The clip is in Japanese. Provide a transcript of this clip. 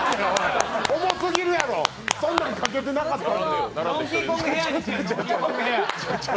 重すぎるやろそんなんかけてなかった。